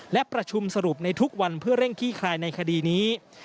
และประชุมสรุปในทุกวันเพื่อเร่งขี้คลายในคดีนี้